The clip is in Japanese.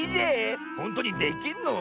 ほんとにできんの？